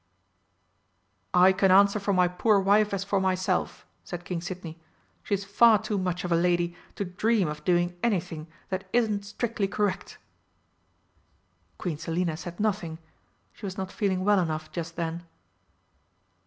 "I can answer for my poor wife as for myself," said King Sidney. "She is far too much of a lady to dream of doing anything that isn't strictly correct." Queen Selina said nothing she was not feeling well enough just then.